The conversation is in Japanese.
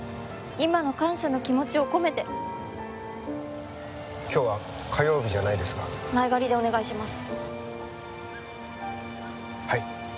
今の感謝の気持ちを込めて今日は火曜日じゃないですが前借りでお願いします